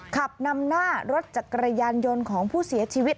ขับนำหน้ารถจักรยานยนต์ของผู้เสียชีวิต